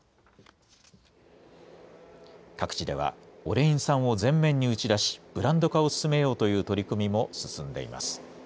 各地ではオレイン酸を前面に打ち出し、ブランド化を進めようという取り組みも進んでいます。